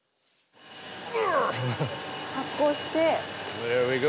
発酵して。